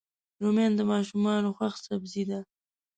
رومیان د ماشومانو خوښ سبزي ده